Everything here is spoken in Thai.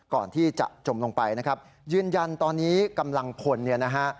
ก่อนที่จะจมลงไปนะครับยืนยันตอนนี้กำลังพลเนี่ยนะฮะ